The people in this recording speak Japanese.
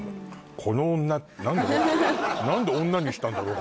何で女にしたんだろう？